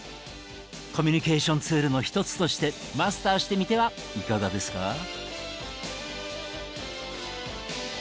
コミュニケーションツールの一つとしてマスターしてみてはいかがですか？